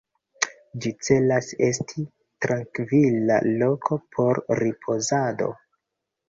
Ĝi celas esti trankvila loko por ripozado.